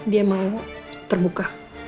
dia mau terbuka